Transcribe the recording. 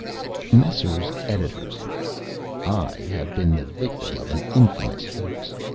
Messrs. Editors, I have been the victim of an infamous hoax.